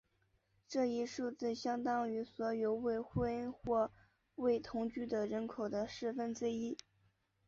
这一数字相当于所有未婚或未同居的人口的四分之一。